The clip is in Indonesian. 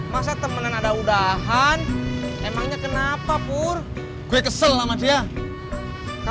merah marah barda andai selamat